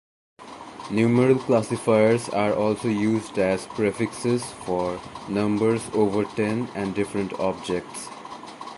Numeral classifiers are also used as prefixes for numbers over ten and different objects.